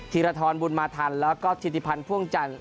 ธิรธรรมบุญมาธรรมแล้วก็ธิริพันธ์พ่วงจันทร์